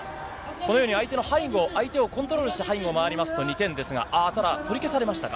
このように、相手の背後、相手をコントロールして背後に回りますと、２点ですが、ああ、ただ取り消されましたか。